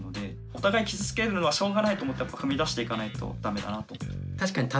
お互い傷つけるのはしょうがないと思って踏み出していかないと駄目だなと思ってます。